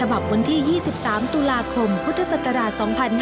วันที่๒๓ตุลาคมพุทธศักราช๒๕๕๙